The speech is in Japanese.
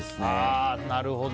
なるほど。